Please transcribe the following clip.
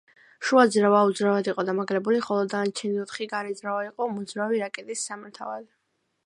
შუა ძრავა უძრავად იყო დამაგრებული, ხოლო დანარჩენი ოთხი გარე ძრავა იყო მოძრავი, რაკეტის სამართავად.